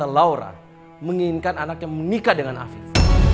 laura menginginkan anaknya menikah dengan afif